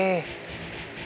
bukan di warung babe